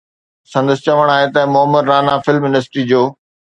سندس چوڻ هو ته معمر رانا فلم انڊسٽري جو